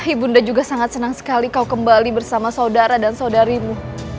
ibunda juga sangat senang sekali kau kembali bersama saudara dan saudarimu